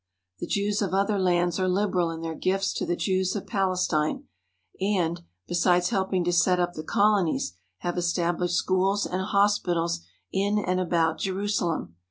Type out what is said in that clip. ^ The Jews of other lands are liberal in their gifts to the Jews of Palestine, and, besides helping to set up the colo nies, have established schools and hospitals in and about Jerusalem.